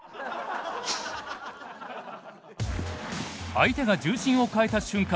相手が重心を変えた瞬間